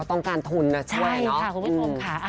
ต้องการทุนน่ะใช่ค่ะคุณผู้ชมค่ะ